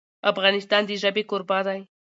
افغانستان د ژبې کوربه دی.